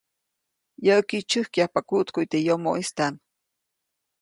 Yäʼki, tsyäjkyajpa kuʼtkuʼy teʼ yomoʼistaʼm.